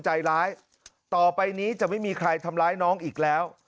ใจร้ายต่อไปนี้จะไม่มีใครทำร้ายน้องอีกแล้ว